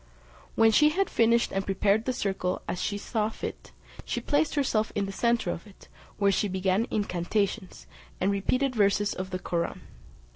When she had finished and prepared the circle as she thought fit, she placed herself in the centre of it, where she began incantations, and repeated verses of the Koraun.